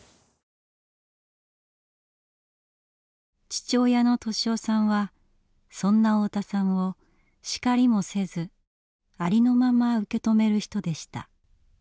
父親の利雄さんはそんな太田さんを叱りもせずありのまま受け止める人でした。